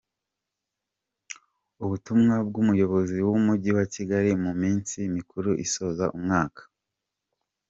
Ubutumwa bw’Umuyobozi w’Umujyi wa Kigali mu minsi mikuru isoza umwaka